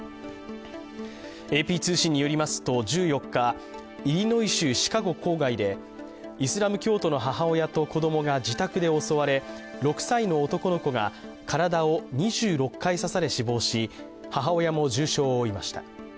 ＡＰ通信によりますと１４日、イリノイ州シカゴ郊外でイスラム教徒の母親と子どもが自宅で襲われ６歳の男の子が体を２６回刺され死亡し、母親も重傷を負いました。